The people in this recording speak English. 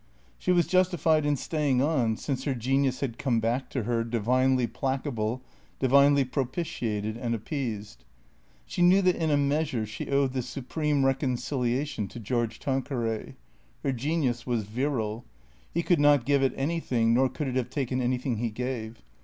She was justified in staying on, since her genius had come back to her, divinely placable, divinely propitiated and ap peased. She knew that in a measure she owed this supreme recon ciliation to George Tanqueray. Her genius was virile. He could not give it anything, nor could it have taken anything he gave.